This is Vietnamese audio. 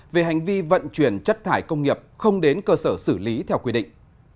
về hành vi vận chuyển chất thải công nghiệp không đến cơ sở xử lý theo quy định